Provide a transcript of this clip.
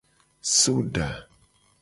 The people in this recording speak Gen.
Soda.